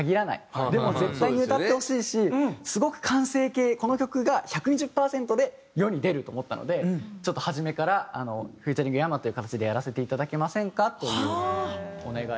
でも絶対に歌ってほしいしすごく完成系この曲が１２０パーセントで世に出ると思ったので「ちょっと初めからｆｅａｔ．ｙａｍａって形でやらせていただけませんか？」というお願いを。